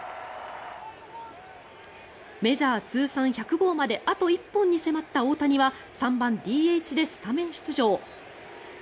メジャー通算１００号まであと１本に迫った大谷は３番ＤＨでスタメン出場。